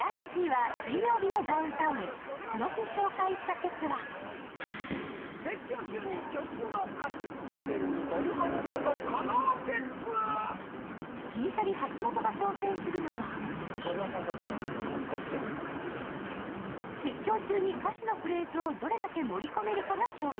この日紹介した説は銀シャリ・橋本が挑戦するのは説教中に歌詞のフレーズをどれだけ盛り込めるかが勝負。